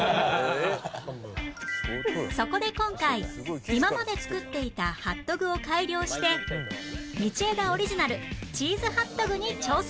そこで今回今まで作っていたハットグを改良して道枝オリジナルチーズハットグに挑戦